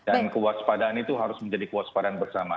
dan kewaspadaan itu harus menjadi kewaspadaan bersama